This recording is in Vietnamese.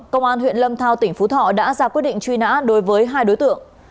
công an huyện lâm thao tỉnh phú thọ đã ra quyết định truy nã đối với hai đối tượng